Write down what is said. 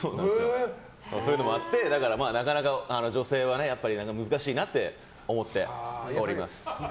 そういうのもあってなかなか女性は難しいなって思っております。